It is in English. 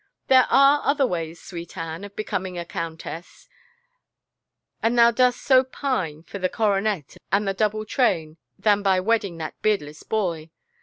" There are other ways, swefet Anne, of becoming a countess, an thou dost so pine for the coronet and the double train, than by wedding that beardless boy.